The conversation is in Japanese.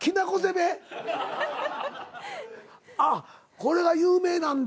これが有名なんだ。